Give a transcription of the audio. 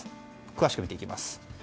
詳しく見ていきます。